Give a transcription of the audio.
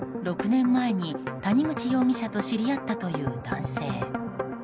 ６年前に谷口容疑者と知り合ったという男性。